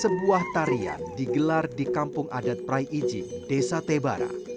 sebuah tarian digelar di kampung adat prai iji desa tebara